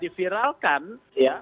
di viralkan ya